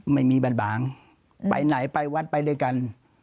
ไม่มีบ้านบางไปไหนไปวัดไปด้วยกัน